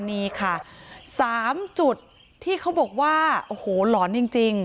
นี่ค่ะ๓จุดที่เขาบอกว่าโอ้โหหลอนจริง